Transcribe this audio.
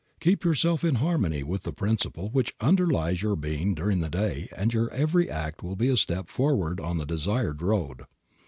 Keep yourself in harmony with the Principle which underlies your being during the day and your every act will be a step forward on the desired road.